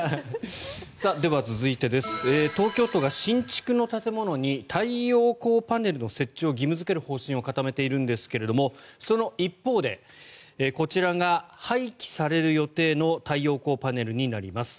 では続いて東京都が新築の建物に太陽光パネルの設置を義務付ける方針を固めているんですがその一方でこちらが廃棄される予定の太陽光パネルになります。